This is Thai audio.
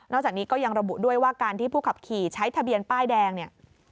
จากนี้ก็ยังระบุด้วยว่าการที่ผู้ขับขี่ใช้ทะเบียนป้ายแดงเนี่ย